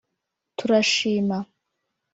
Turashima